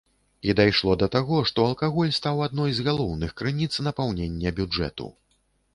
І дайшло да таго, што алкаголь стаў адной з галоўных крыніц напаўнення бюджэту.